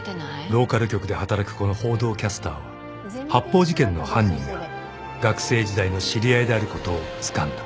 ［ローカル局で働くこの報道キャスターは発砲事件の犯人が学生時代の知り合いであることをつかんだ］